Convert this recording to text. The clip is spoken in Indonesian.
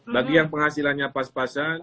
bagi yang penghasilannya pas pasan